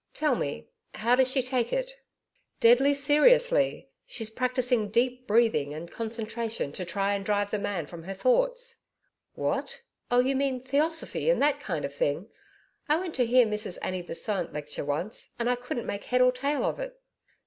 'Tell me, how does she take it?' 'Deadly seriously. She's practising Deep breathing and Concentration to try and drive the man from her thoughts.' 'What! Oh, you mean Theosophy and that kind of thing. I went to hear Mrs Annie Besant lecture once, and I couldn't make head or tail of it.'